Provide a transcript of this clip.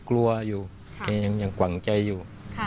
กลัวอยู่แกยังหวังใจอยู่